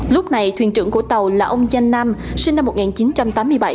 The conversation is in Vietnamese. lúc này thuyền trưởng của tàu là ông danh nam sinh năm một nghìn chín trăm tám mươi bảy